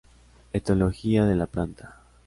Etología de la planta.